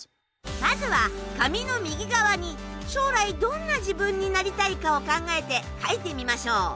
まずは紙の右側に将来どんな自分になりたいかを考えて書いてみましょう。